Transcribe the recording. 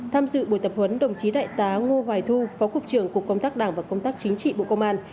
tham dự buổi tập huấn đồng chí đại tá ngô hoài thu phó cục trưởng cục công tác đảng và công tác chính trị bộ công an